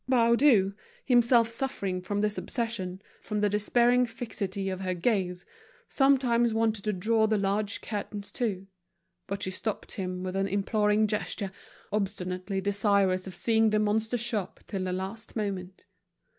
Baudu, himself suffering from this obsession, from the despairing fixity of her gaze, sometimes wanted to draw the large curtains to. But she stopped him with an imploring gesture, obstinately desirous of seeing the monster shop till the last moment.